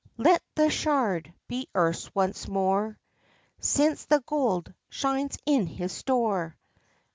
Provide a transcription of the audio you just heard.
Let the shard be earth's once more, Since the gold shines in his store!